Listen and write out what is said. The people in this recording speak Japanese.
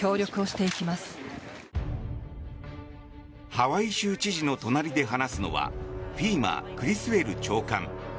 ハワイ州知事の隣で話すのはＦＥＭＡ、クリスウェル長官。